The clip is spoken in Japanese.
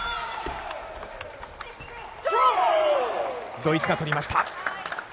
ドイツが取りました。